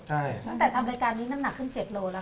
แต่ทำรายการนี้น้ำหนักขึ้น๗โลละค่ะ